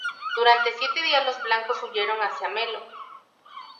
Durante siete días los blancos huyeron hacia Melo.